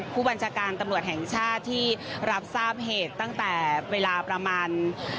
ผู้บัญชาการตำรวจแห่งชาติที่รับทราบเหตุตั้งแต่เวลาประมาณ